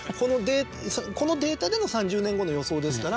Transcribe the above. このデータでの３０年後の予想ですから。